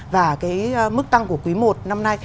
và mức tăng của quý một năm nay